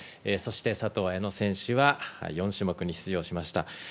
そして佐藤綾乃選手は４種目に出場しました。